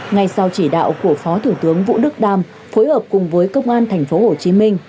ngay sau chỉ đạo của phó thủ tướng vũ đức đam phối hợp cùng với công an tp hcm